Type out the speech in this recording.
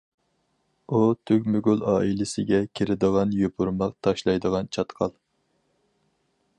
ئۇ تۈگمىگۈل ئائىلىسىگە كىرىدىغان يوپۇرماق تاشلايدىغان چاتقال.